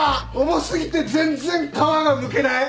重すぎて全然皮がむけない。